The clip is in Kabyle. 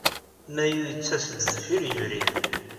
Mayu yettas-d deffir yebrir.